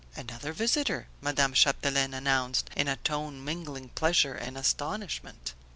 "Another visitor!" Madame Chapdelaine announced in a tone mingling pleasure and astonishment.